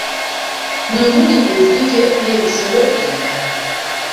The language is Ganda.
Mwe muli ezzike n'ebisolo ebirala.